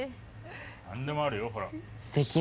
なんでもあるよほら。